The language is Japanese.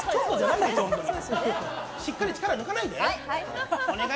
しっかり力抜かないで！